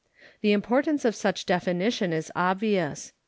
The importance of such definition is obvious.